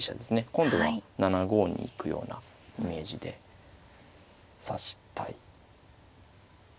今度は７五に行くようなイメージで指したい。